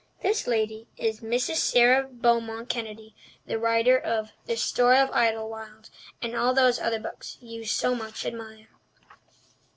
This lady is Mrs. Sara Beaumont Kennedy, the writer of The Story of Idlewild and all those other books you so much admire."